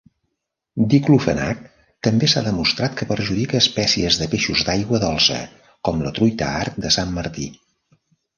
Diclofenac també s'ha demostrat que perjudica espècies de peixos d'aigua dolça com la truita arc de Sant Martí.